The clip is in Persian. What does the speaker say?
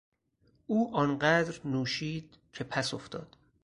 او آنقدر نوشید که پسافتاد.